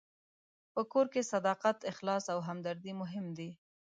په کور کې صداقت، اخلاص او همدردي مهم دي.